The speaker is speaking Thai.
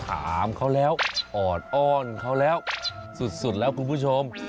ถามเขาแล้วออดอ้อนเขาแล้วสุดแล้วคุณผู้ชม